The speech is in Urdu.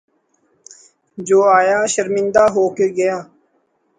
جو آیا شرمندہ ہو کے گیا۔